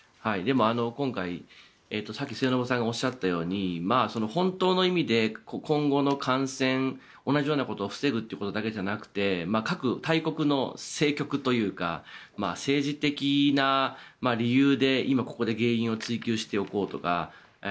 今回末延さんがおっしゃったように本当の意味で今後の感染同じようなことを防ぐってことだけじゃなくて各大国の政局というか政治的な理由で今、ここで原因を追及しておこうとか。